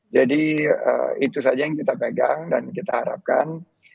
itu saja yang kita pegang dan kita harapkan